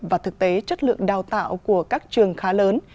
và thực tế chất lượng đào tạo của các trường khá lớn